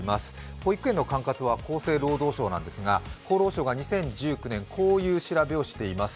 保育園の管轄は厚生労働省なんですが、厚労省が２０１９年、こういう調べをしています。